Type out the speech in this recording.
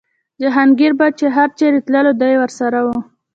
جهانګیر به چې هر چېرې تللو دی ورسره و.